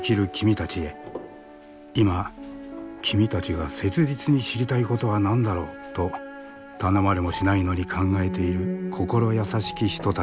今君たちが切実に知りたいことは何だろう？と頼まれもしないのに考えている心優しき人たちがいる。